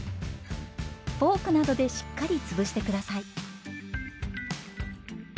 フォークなどでしっかりつぶして下さい。